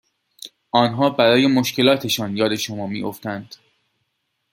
آنها برای مشکلاتشان یاد شما می افتند،